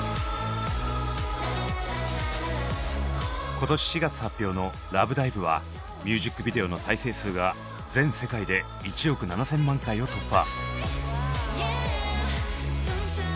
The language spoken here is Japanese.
今年４月発表の「ＬＯＶＥＤＩＶＥ」はミュージックビデオの再生数が全世界で１億７，０００万回を突破。